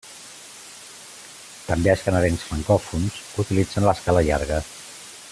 També els canadencs francòfons utilitzen l'escala llarga.